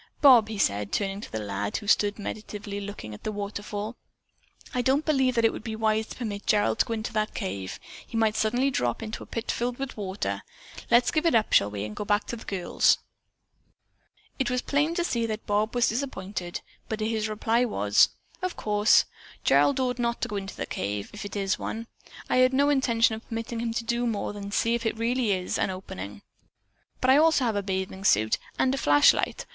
"Bob," he said, turning to the lad who stood meditatively looking at the waterfall, "I don't believe that it would be wise to permit Gerald to go into that cave. He might suddenly drop into a pit filled with water. Let's give it up, shall we, and go back to the girls?" It was plain to see that Bob was disappointed, but his reply was: "Of course, Gerald ought not to go into that cave, if it is one. I had no intention of permitting him to do more than see if it really is an opening. I also have a bathing suit and a flashlight.